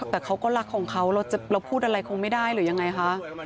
แต่เขาก็รักของเขาเราพูดอะไรคงไม่ได้หรือยังไงคะ